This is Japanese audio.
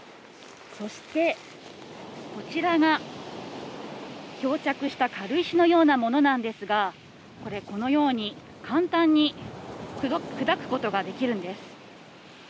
そしてこちらが漂着した軽石のようなものなんですが、これ、このように、簡単に砕くことができるんです。